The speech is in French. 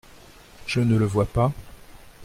Je ne le vois pas.